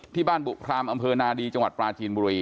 ที่บ้านบุพรามอำเภอนาดีจังหวัดปลาจีนบุรี